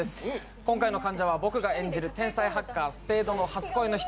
今回の患者は、僕が演じる天才ハッカー・スペードの初恋の人。